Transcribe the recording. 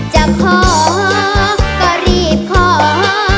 จะขอก็รีบขอ